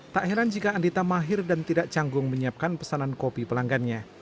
tak heran jika andita mahir dan tidak canggung menyiapkan pesanan kopi pelanggannya